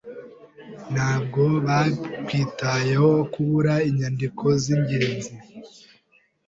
Ntabwo byakwitayeho kubura inyandiko zingenzi.